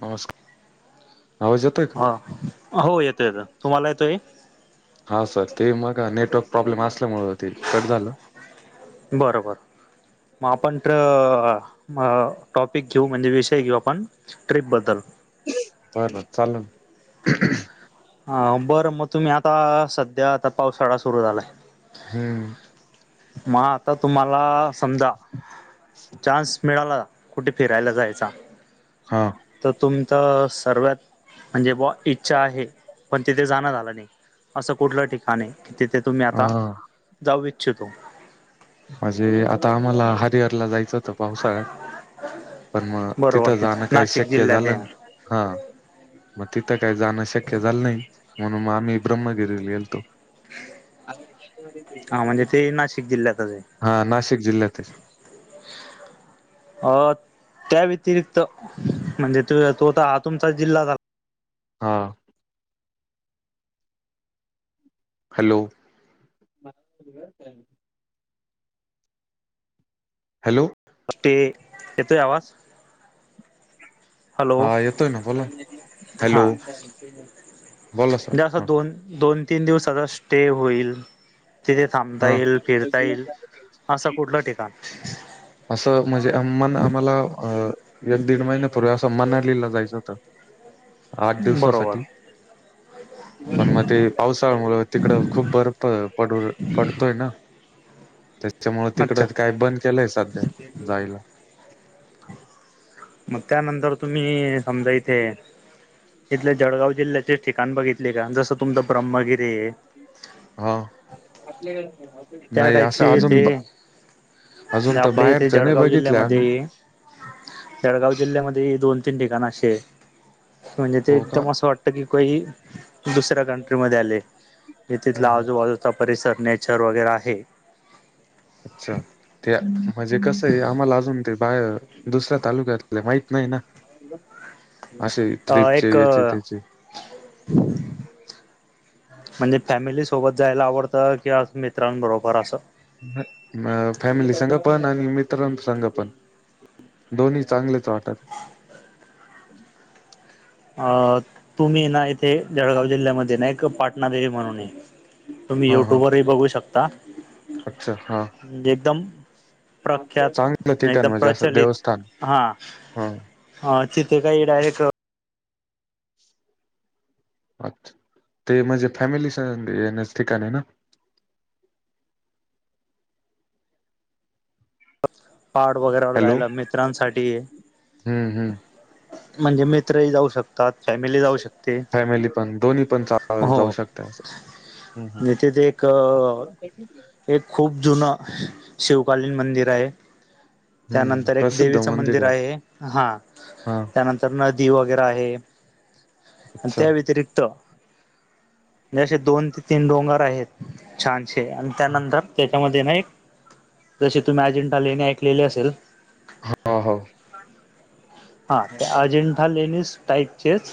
नमस्कार आवाज ये हा. हो येतो येतोय. तुम्हाला येतोय? हा सर ते मग नेटवर्क प्रॉब्लेम असल्यामुळं ते कट झालं. बरं.. बरं.. मग, आपण तर टॉपिक घेऊ म्हणजे विषय घेऊ आपण. ट्रिपबद्दल. बरं बरं. चाललं.. अ बरं मग, तुम्ही आता सध्या आता, पावसाळा सुरू झालाय. हम्म. मग, आता तुम्हाला समजा चान्स मिळाला. कुठे फिरायला जायचा? हा. तर, तुमच सर्वात म्हणजे ब इच्छा आहे. पण तिथे जाण आलं नाही असं कुठलं ठिकाण आहे की तिथे तुम्ही हा आता जाऊच तो म्हणजे आता, आम्हाला हरिहरला जायचं होत पावसाळ्यात. पण मग बरोबर तिथं ते जाणं काही नाशिक शक्य जिल्ह्यात झालं आहे नाही हा. मग तिथं काही जाणं शक्य झालं नाही म्हणून म आम्ही ब्रह्मगिरीले गेलतो. [unintelligible] हा म्हणजे ते नाशिक जिल्ह्यातच आहे. हा नाशिक जिल्ह्यात आहे. [inaudible] अ त्या व्यतिरिक्त म्हणजे त तोता हा तुमचा जिल्हा ह हॅलो. हॅलो ते येतोय आवाज? हॅलो हा येतोय ना बोला हॅलो हा बोला सर म्हणजे असं हा. दोन दोन तीन दिवसचा स्टे होईल. तिथे थांबता हा येईल फिरता येईल असं कुठलं ठिकाण? असं म्हणजे अम मन आम्हाला अ एक दीड महिन्यापूर्वी असं मनालीला जायचं तर आठ बरोबर दिवसासाठी. पण मग ते पावसाळ्या मुळं तिकडं खूप बरफ पडू पडतोय ना. [inaudible] त्यांच्यामुळे अच्छा तिकडं काय बंद केलंय सध्या जायला. मग त्यानंतर तुम्ही समजा इथे इथले जळगाव जिल्ह्याचे ठिकाण बघितले का जसं तुमच ब्रह्मगिरी आहे. हा. त्या नाही असं टाईपचे अजून ते अजून तर आपले इथे बाहेरच नाही जळगाव बघितलं आम्ही जिल्ह्यामध्ये जळगाव जिल्ह्यामध्ये दोन तीन ठिकाण असे आहे म्हणजे ते हो का एकदम असं वाटत की का दुसऱ्या कंट्री म आले तिथल्या आजूबाजू ता परिसर नेचर वगैर आहे अच्छा ते म्हणजे कसं आहे आम्हाला अजून ते बाहेर दुसऱ्या तालुक्यातले माहित नाही ना असे अ एक ट्ररीपचे याचे त्याचे [inaudible] म्हणजे फॅमिली सोबत जायला आवडतं किवा मित्रांबरोबर असं. फॅमिली संग पण आणि मित्रां संग पण. दोन्ही चांगलेच वाटत. अ तुम्ही ना इथे जळगाव जिल्ह्यामध्ये ना एक पाटणा देवी म्हणून आहे तुम्ही हा हा युट्यूबवर ही बघू शकता. अच्छा हा. म्हणजे एकदम प्रख्यात, चांगलं ठिकाण एकदम म्हणजे असं देवस्थान प्रचलित हा हा हा तिथे काही डायरेक अच्छा ते म्हणजे फॅमिली संग येण्याच ठिकाण आहे ना. पहाड वगैरे वर हॅलो जायला मित्रांसाठी हम्म हम्म म्हणजे मित्रही जाऊ शक त्यात फॅमिली जाऊ शकते फॅमिली पण दोन्ही पण चा हो. जाऊ शकते असं हम्म हम्म तिथे ते एक अ एक खूप जुना शिवकालीन मंदिर आहे. त्यानंतर एक देवीचं मंदिर आहे हा हा त्यानंत तर नदी वगैरे आहे, आणि अच्छा त्या व्यतिरिक्त असे दोन ते तीन डोंगर आहेत, छानशे आणि त्यानंतर त्याच्यामध्ये ना एक तुम मॅजिंटाले, ऐले असेल. हो हो. हा ते अजेंठा लेनिस टाइपचेच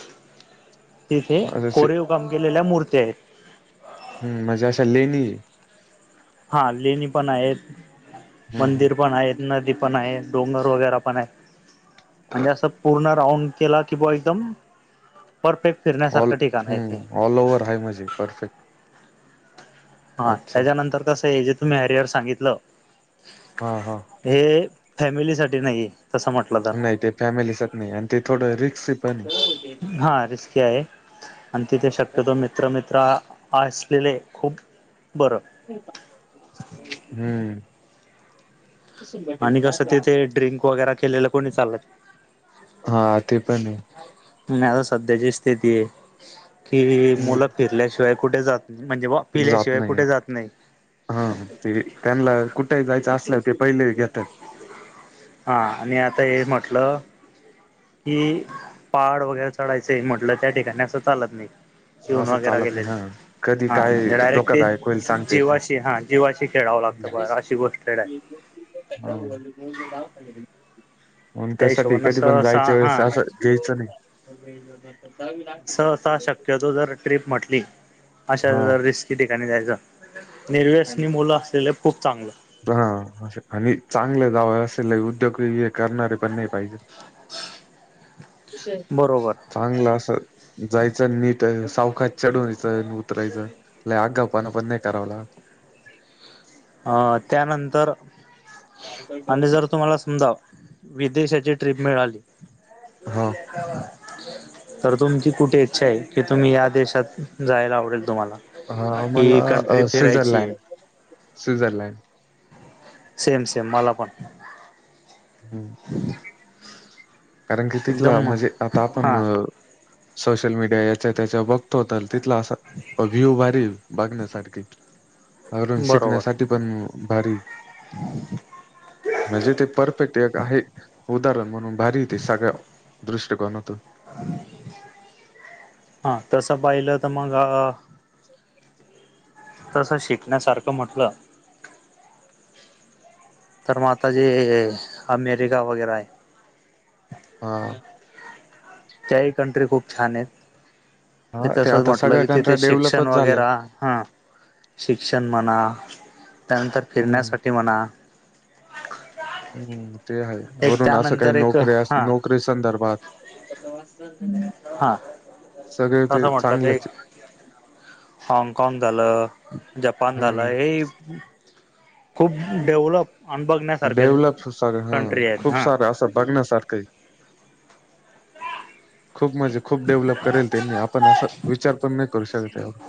तिथे जसे कोरयो बंगलेला गेलेल्या मूर्त्या आहेत. हम् म्हणजे अशा लेणी हा लेणी पण आहे, हम्म मंदिर हम्म पण आहेत, नदी पण आहे, डोंगर वगैर पण आहे. म्हणजे असं पूर्ण राऊंड केला की बा एकदम पर पेक फिरनं ऑल हम्म ऑल ओवर आहे माझे परफेक्ट. हा अच्छा त्याच्यानंतर कसं, हे जे तुम्ही हेडरिअर सांगितलं हा हा. हे फॅमिली साठी नाही, तसं म्हटलं तर नाही ते, फॅमिलीसच नाही आणि ते थोडं रिक्स पण आहे. हा रिस्की आहे. आणि तिथे शक्यतो, मित्र मित्र असलेले खूप बरं. हम्म. आणि कसं तिथे ड्रिंक वगैरे, केलेलं कोणी चालत. हा, ते पण आहे. आणि आता सध्याची स्थिती आहे कि मुलं हम्म फिरल्याशिवाय कुठे जात म्हणजे व जात नाही. हा ते त्यांना कुठेही जायचं असलं ते, पहिले घेतात हा आणि आता हे म्हटलं. कि, पड वगैरे चढायच म्हटलं त्या ठिकाणी असं चालत नाही जेऊन असं वगैरे चालत गेले, नाही हा कधी हा काय म्हणजे डायरेक्ट ते धोकादायक होईल सांगता येत जीवाशी हा जीवा खेळावं लागतं, नाही. बर अशी गोष्ट खेळ [unintelligible] म्हणून त्या त्यासाठी हिशोबान कधी पण सहसा जायच्या हा वेळेस असं प्यायचं नाही. तर दवी लागते चाळीस किलो. ट्र्रीप म्हटली अशा रिस्की ठिकाणी जायचं, निेरवेसनी मुलं असलेले खूप चांगलं हा आणि चांगलं जाव असेल, उद्योग हे करणारे पण नाही पाहिजे. उशार. बरोबर. चांगलं असं, जायचं नीट सावकाश चढवूनचं उतरायचं, ला आगाव पानं पण नाही करावला. अ त्यानंतर आणि जर, तुम्हाला समजाव विदेशाची ट्रिप मिळाली, हा तर तुमची कुठे? इच्छा आहे की, तुम्ही या देशात जायला आवडेल तुम्हाला हा की कंट्री फिरायची आहे. स्विझरलँड सेम सेम मला पण. ह [inaudible] कारण की तिथला, म्हणजे आता आपण सोशल मीडिया याच्या त्याच्या बघतो, होता तिथला असं अ व्ह्यू भारी बघण्यासारखी. घरून बरोबर शिकण्यासाठी पण, भारी म्हणजे ते पर फिटक आहे, उदाहरण म्हणून भारी तेे सगळ्या दृष्टकोनातून हा तस पाहिलं, तर मग अ [inaudible] तसं शिकण्यासारखं म्हटलं. तर मग आता जे, अमेरिका वगैरे आहे. हा. त्याही कंट्री खूप छान आहेत. हा ते तस आता म्हटलं, सगळ्या कि तिथे कंट्र्या शिक्षण डेव्हलपच वगैरे झालंय हा शिक्षण म्हणा, त्यानंतर हम्म फिरण्यासाठी म्हणा. हम्म ते आहे. एक वरून असं काही त्यानंतर एक नोकऱ्यास हा नोकरी संदर्भात हा सगळे ते चांगलंच हागकाँग झालं, जपान हम्म झालंय. ये आणि बघण्यासारख्या डेव्हलप सार हा, कंट्री आहेत खूप सारं हा असं बघण्यासारखं हाय. खूप म्हणजे खूप डेव्हलप करेल त्यांनी, आपण असं विचारपण नाही करू शकत तेव्हा.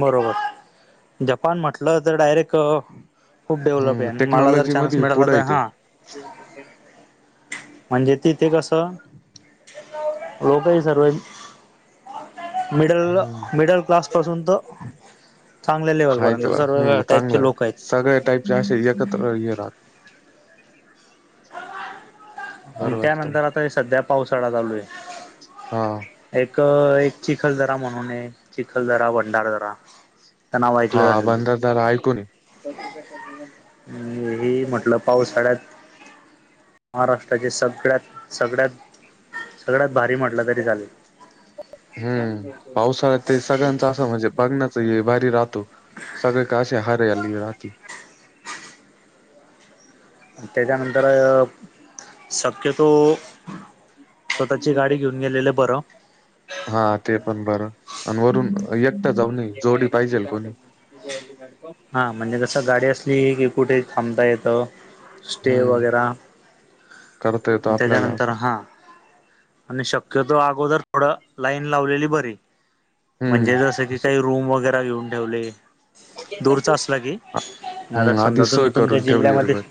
बरोबर, जपान म्हटलं तर डायरेक खूप डेव्हलप आहे. हम्म आणि मला जर टेक्नॉलॉजी चान्स मध्ये मिळाला पुढं तर आहे हा [inaudible] म्हणजे तिथे कसं लोकही सर्वची मिडल मिडल क्लास तो चांगल्या लेव्हल हाय पर्यंत, त्याला सर्व हम्म चांगलं टाईपचे आहे. लोक हायत. सगळ्या टाईपचे असे एकत्र येरात. आणि बरोबर एकदम. त्यानंतर आता हे सध्या पावसाळा चालू आहे. हा. एक एक चिखलदरा म्हणून हाय, चिखलदरा भंडारदरा. त्या हा बंदादर ऐकूनी मीही म्हटलं पावसाळ्यात महाराष्ट्राचे सगळ्यात सगळ्यात सगळ्यात भारी म्हटलं तरी चालेल. हं, पावसाळ्यात ते सगळ्यांच असा म्हणजे बघण्याचा हे भारी राहतो. सगळे काशे हरियाली राहती. त्याच्यानंतर शक्यतो स्वतःची गाडी घेऊन गेलेलं बरं [unintelligible] हा ते पण बरं पण वरून एकटं जाऊन नये जोडी पाहिजेल कोणी. [inaudible] हा म्हणजे कसं गाडी असली की कुठे थांबता येतं. स्टे हम्म वगैरा करता येतो आपल्याला त्याच्यानंतर असं हा आणि शक्यतो अगोदर थोडं लाईन लावलेली बरी. म्हणजे जसं हम्म की असं काही रूम वगैरे घेऊन ठेवली. दूरचा असला की, नाहीतर हम्म समजा आधी तुम्ही सोय तुमच्या करून ठेवली रे जिल्ह्यामध्ये बर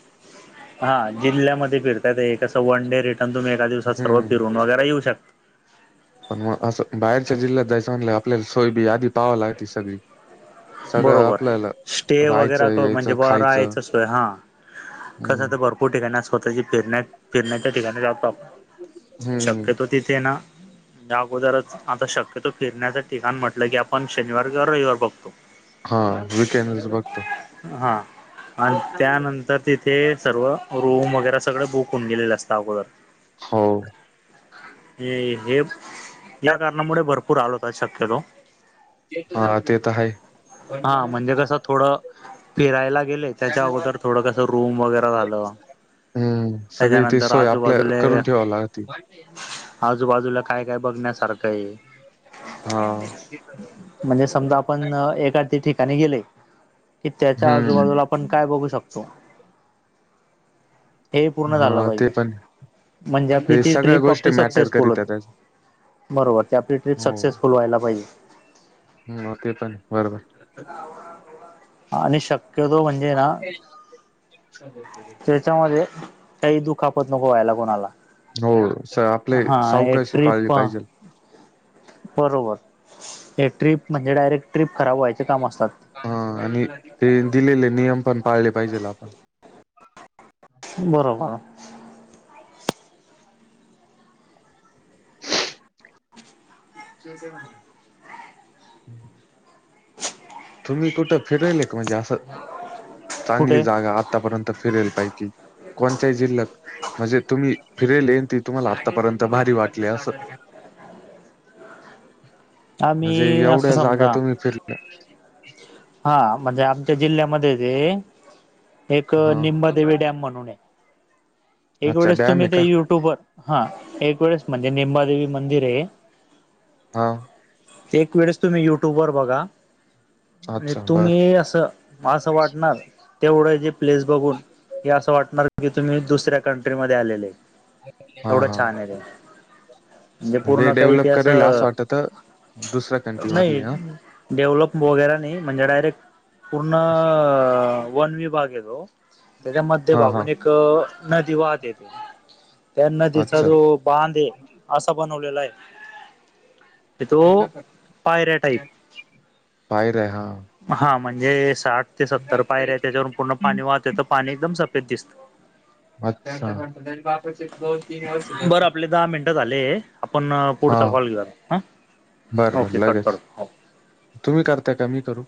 हा जिल्ह्यामध्ये फिरतायात, हे कसं वन डे रिटर्न तुम्ही एका दिवसात सर्व फिरून हम्म वगैरे येऊ शकता. पण मग असं बाहेरच्या जिल्ह्यात जायचं म्हटल्यावर आपल्याला सोय बी आधी पहिवं लागती सगळी. सगळं बरोबर आपल्याला स्टे राहायचं, वगैरक म्हणजे यायचं, म खायचं राहायची सोय हां. हम्म. कसं तर भर [unintelligible] स्वतःची फिरण्या फिरण्याच्या ठिकाणी जातो आपण, हम्म शक्यतो तिथे ना याअगोदरच आता शक्यतो फिरण्याचं ठिकाण म्हटलं की, आपण शनिवार किंवा रविवार बघतो. हा वीकेंड्स बघतो. हा आणि त्यानं तर तिथे सर्व रूम वगैरे सगळं बुक होऊन गेलेले असतं अगोदर. हो. हे हे या कारणामुळे भरपूर हाल होतात शक्यतो‌. हा ते तर हाय. हा म्हणजे कसं थोडं फिरायला गेले. [inaudible] त्याच्या अगोदर थोडं कसं रूम वगैरे झालं. हम्म सगळी इथेच त्याच्यानंतर सोय आपल्या आजूबाजूले करून ठेवलाय. [unintelligible] आजूबाजूला काय काय बघण्यासारखं हाय. हा म्हणजे समजा आपण एक. त्यांचे ठिकाणी गेले की त्याच्या आजूबाजूला. हम्म आपण काय बघू शकतो? हे पूर्ण झालं हा ते पाहिजे पण म्हणजे आपली हे ती सगळ्या ट्रीप गोष्टी आपली मॅटर सक्सेसफुल करीत्या होती. त्याच्या बरोबर ते आपली ट्रिप सक्सेसफुल व्हायला पाहिजे. हम्म म तेपण बरोबर. आणि शक्यतो म्हण ते ना त्याच्यामध्ये काही दुखापत नको व्हायला कोणाला? हो स आपले हा हे सावकाशी पाळले ट्रिप पाहिजेल. बरोबर हे ट्रिप म्हणजे डायरेक्ट ट्रिप खराब व्हायचे काम असतात. हा आणि ते दिलेले नियम पण पाळले पाहिजेल आपण. बरोबर. हमं तुम्ही कुठं फिरेले का? म्हणजे असं चांगली कुठे जागा. आतापर्यंत फिरेल काय की कोणत्याही जिल्ह्यात. म्हणजे तुम्ही फिरालेन ती तुम्हाला आत्तापर्यंत भारी वाटले असं. [inaudible] म्हणजे आम्ही असं एवढ्या जागा समजा तुम्ही फिरल्या. हा म्हणजे आमच्या जिल्ह्यामध्ये ते एक हा निंबादेवी डॅम म्हणून आहे. एक अच्छा वेळेस डॅम तुम्ही आहे ते का युट्यूबवर हा एक वेळेस म्हणजे निंबादेवी मंदिर आहे. हाव. एक वेळेस तुम्ही युट्यूबवर बघा. म्हणजे अच्छा बर तुम्ही असं मग असं वाटणार तेवढं जे प्लेस बघून हे असं वाटणार, की तुम्ही दुसऱ्या कंट्रीमध्ये आलेले हाय. हा एवढं हा छान आहे ते. म्हणजे पूर्ण काही डेव्हलप ते करेल असं वाटत दुसऱ्या कंट्री मधले नाही. हा डेव्हलप वगैरे नाही म्हणजे डायरेक्ट पूर्ण वन विभाग आहेे तो. त्याच्या मध्य हा हा भागून एक नदी वाहते येते, त्या नदीचा अच्छा जो बांध आहे असा बनवलेला आहे. तो पायऱ्या बाहेर आहे हा टाईप हा म्हणजे साठ ते सत्तर पायरी आहे त्याच्यावरून पूर्ण पाणी वाहतं येत, पाणी एकदम सफेद दिसतं. अच्छा बरं आपले दहा मिनट झाले. आपण पुढचा हा कॉल घेऊ आता. हा? बर बर ओके कट लगेच करतो हो. तुम्ही करताय, का मी करू?